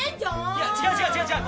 いや違う違う違う違う！